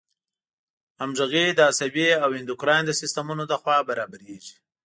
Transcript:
همغږي د عصبي او اندوکراین د سیستمونو له خوا برابریږي.